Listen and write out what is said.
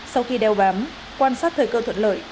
sau khi đeo bám quan sát thời cơ thuận lợi